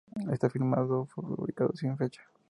Está firmado y rubricado sin fecha.